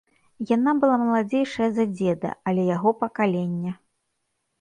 Яна была маладзейшая за дзеда, але яго пакалення.